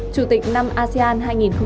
chủ tịch năm asean hai nghìn hai mươi hai